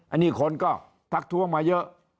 อันนี้คนก็ทักท้วงมาเยอะ